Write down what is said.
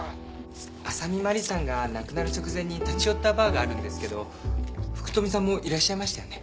浅見麻里さんが亡くなる直前に立ち寄ったバーがあるんですけど福富さんもいらっしゃいましたよね？